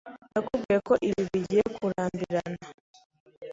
Nakubwiye ko ibi bigiye kurambirana.